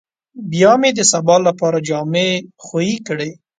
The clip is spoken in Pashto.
بيا مې د سبا لپاره جامې خويې کړې.